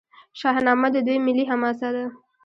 شاهنامه د دوی ملي حماسه ده.